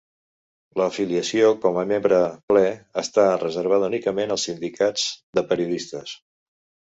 L'afiliació com a membre ple està reservada únicament als sindicats de periodistes.